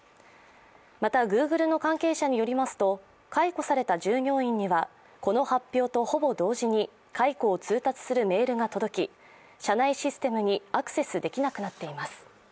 また、Ｇｏｏｇｌｅの関係者によりますと解雇された従業員にはこの発表とほぼ同時に解雇を通達するメールが届き社内システムにアクセスできなくなっています。